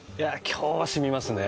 今日はしみますね